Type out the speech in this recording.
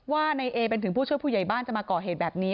ว่านายเอเป็นถึงผู้ช่วยผู้ใหญ่บ้านจะมาก่อเหตุแบบนี้